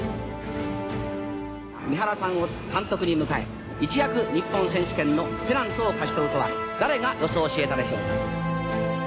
「三原さんを監督に迎え一躍日本選手権のペナントを勝ち取るとは誰が予想しえたでしょうか」。